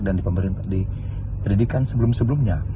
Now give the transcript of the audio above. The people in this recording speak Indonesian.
dan di pendidikan sebelum sebelumnya